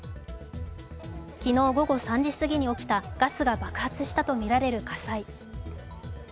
昨日午後３時過ぎに起きた、ガスが爆発したとみられる火災。